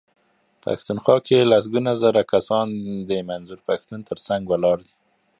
پښتونخوا کې لسګونه زره کسان د منظور پښتون ترڅنګ ولاړ دي.